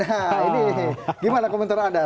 nah ini gimana komentar anda